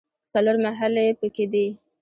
څلور محلې په کې دي.